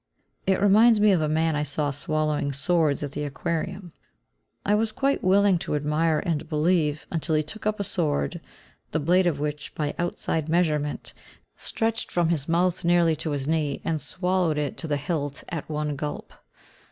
It reminds me of a man I saw swallowing swords at the Aquarium. I was quite willing to admire and believe, until he took up a sword, the blade of which, by outside measurement, stretched from his mouth nearly to his knee, and swallowed it to the hilt at one gulp.